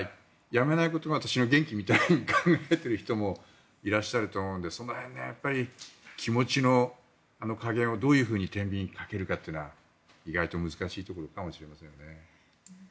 やめないことが私の元気みたいに考えている人もいらっしゃると思うのでその辺、気持ちの加減をどうてんびんにかけるかが意外と難しいところかもしれませんね。